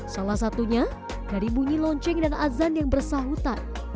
salah satunya dari bunyi lonceng dan azan yang bersahutan